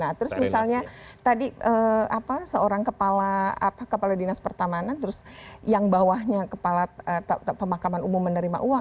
nah terus misalnya tadi seorang kepala dinas pertamanan terus yang bawahnya kepala pemakaman umum menerima uang